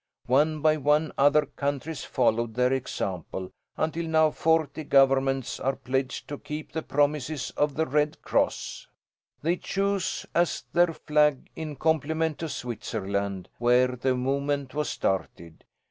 One by one other countries followed their example, until now forty governments are pledged to keep the promises of the Red Cross. "They chose that as their flag in compliment to Switzerland, where the movement was started.